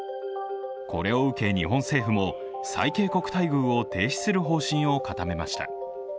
これを受け、日本政府も最恵国待遇を停止する方針を固めました。